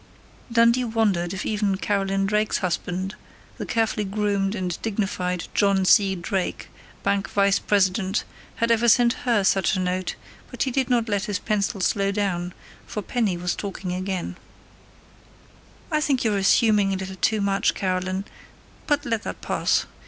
'" Dundee wondered if even Carolyn Drake's husband, the carefully groomed and dignified John C. Drake, bank vice president, had ever sent her such a note, but he did not let his pencil slow down, for Penny was talking again: "I think you are assuming a little too much, Carolyn.... But let that pass.